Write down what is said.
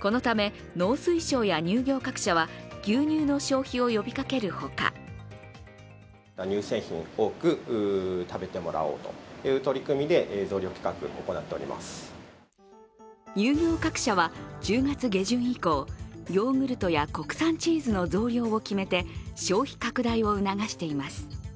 このため、農水省や乳業各社は牛乳の消費を呼びかけるほか乳業各社は１０月下旬以降、ヨーグルトや国産チーズの増量を決めて消費拡大を促しています。